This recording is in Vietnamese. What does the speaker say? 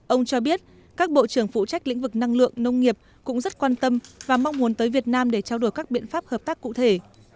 ông cho biết các bộ trưởng phụ trách lĩnh vực năng lượng nông nghiệp cũng rất quan tâm và mong muốn tới việt nam để trao đổi các biện pháp hợp tác cụ thể